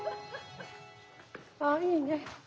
ああいいね。